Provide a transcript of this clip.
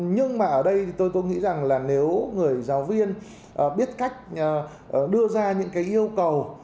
nhưng mà ở đây thì tôi nghĩ rằng là nếu người giáo viên biết cách đưa ra những cái yêu cầu